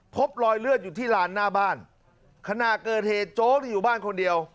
พบรอยเลือดอยู่ที่ลานหน้าบ้านขณะเกิดเหตุโจ๊กอยู่บ้านคนเดียว